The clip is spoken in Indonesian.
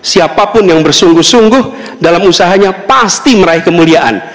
siapapun yang bersungguh sungguh dalam usahanya pasti meraih kemuliaan